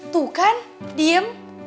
tuh kan diem